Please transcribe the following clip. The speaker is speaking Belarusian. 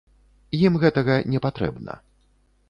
Ім гэтага не патрэбна.